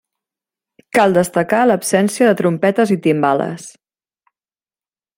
Cal destacar l'absència de trompetes i timbales.